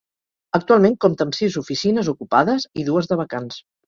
Actualment compta amb sis oficines ocupades i dues de vacants.